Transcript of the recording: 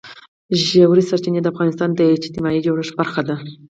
ژورې سرچینې د افغانستان د اجتماعي جوړښت برخه ده.